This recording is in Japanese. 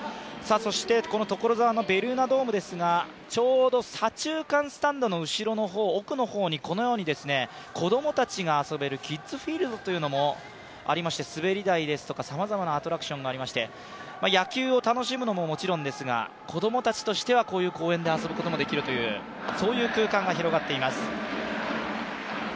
この所沢のベルーナドームですが、左中間スタンドの後ろの方、奥の方に子供たちが遊べるキッズフィールドというのもありまして、滑り台とかさまざまなアトラクションがありまして、野球を楽しむのももちろんですが、子供たちとしてはこういう公園で遊ぶこともできるという空間が広がっています。